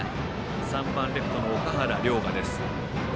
３番レフトの岳原陵河です。